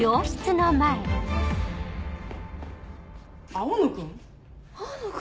青野君？